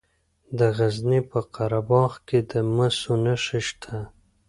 د غزني په قره باغ کې د مسو نښې شته.